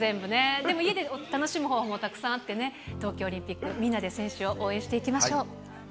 でも家で楽しむ方法もたくさんあってね、東京オリンピック、みんなで選手を応援していきましょう。